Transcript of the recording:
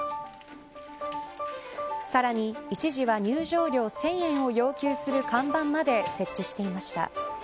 さらに、一時は入場料１０００円を要求する看板まで設置していました。